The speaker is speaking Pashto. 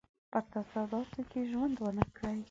په تضاداتو کې ژوند ونه کړي.